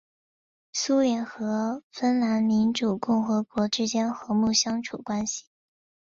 苏联和芬兰民主共和国之间和睦相处关系。